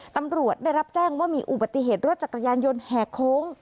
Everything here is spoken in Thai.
ตำรวจได้รับแจ้งว่ามีอุบัติเหตุรถจักรยานยนต์แห่โค้ง